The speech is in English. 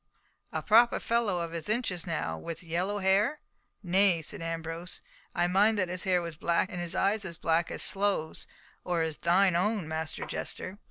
A proper fellow of his inches now, with yellow hair?" "Nay," said Ambrose, "I mind that his hair was black, and his eyes as black as sloes—or as thine own, Master Jester."